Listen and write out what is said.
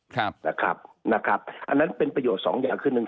ครับนะครับอันนั้นเป็นประโยชน์สองอย่างคือหนึ่ง